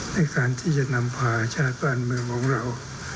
ในการที่จะนำพาชาติบ้านเมืองของเรา